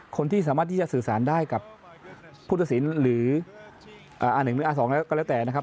คนที่สามารถที่จะสื่อสารได้กับผู้ตัดสินหรือ๑หรืออา๒แล้วก็แล้วแต่นะครับ